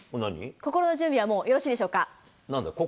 心の準備はもうよろしいでしょうか。